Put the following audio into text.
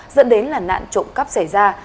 dẫn đến là nạn trộm cắp xảy ra